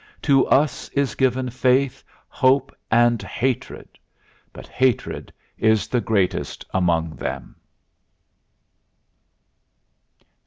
To us is given faith, hope and hatred; but hatred is the greatest among them."